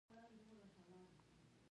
بادرنګ پر سترګو ایښودل ښکلا او آرام ورکوي.